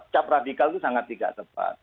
cap radikal itu sangat tidak tepat